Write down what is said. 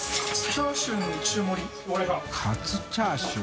カツチャーシュー」